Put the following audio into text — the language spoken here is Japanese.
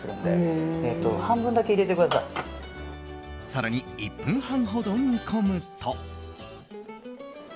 更に１分半ほど煮込むと。